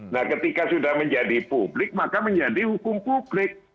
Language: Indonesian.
nah ketika sudah menjadi publik maka menjadi hukum publik